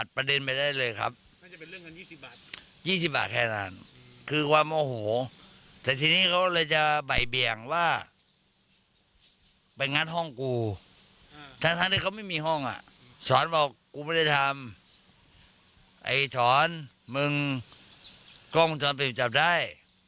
สอนบอกกูไม่ได้ทำไอ้สอนมึงก็ทำได้